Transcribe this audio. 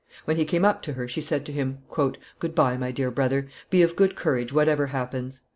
When he came up to her, she said to him, "Good by, my dear brother; be of good courage, whatever happens."